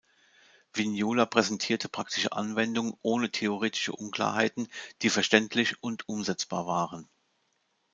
Vignola präsentierte praktische Anwendungen ohne theoretische Unklarheiten, die verständlich und umsetzbar waren.